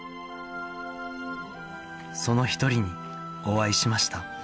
その一人にお会いしました